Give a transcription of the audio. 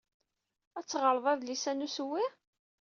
Ad teɣred adlis-a n ussewwi?